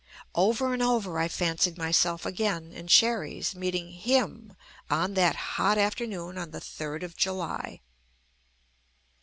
Over and over I fancied myself again in Sherry's meeting "him" on that hot afternoon of the 3rd of July.